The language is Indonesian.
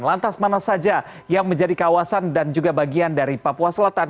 lantas mana saja yang menjadi kawasan dan juga bagian dari papua selatan